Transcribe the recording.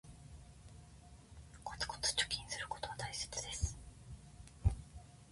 コツコツ貯金することは大切です